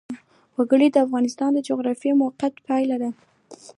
وګړي د افغانستان د جغرافیایي موقیعت پایله ده.